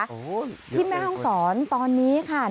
โอ้โหที่แม่ห้องศรตอนนี้ค่ะ